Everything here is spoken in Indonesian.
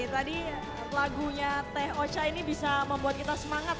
tadi lagunya teh ocha ini bisa membuat kita semangat